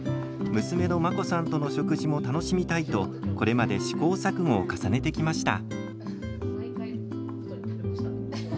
娘の真心さんとの食事も楽しみたいと、これまで試行錯誤を重ねてきました。